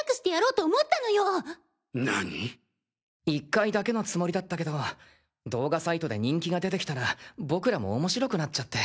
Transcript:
１回だけのつもりだったけど動画サイトで人気が出てきたら僕らも面白くなっちゃって。